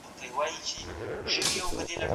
د کوچني مابينځ کي مي خپلي غونډې ولیدلې.